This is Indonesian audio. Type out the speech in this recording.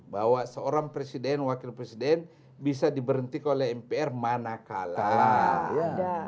bahwa seorang presiden wakil presiden bisa diberhentikan oleh mpr mana kalah